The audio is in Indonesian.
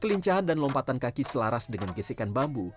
kelincahan dan lompatan kaki selaras dengan gesekan bambu